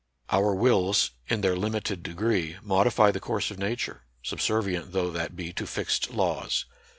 Our wills, in their limited degree, modify the course of Nature, subservi ent though that be to fixed laws.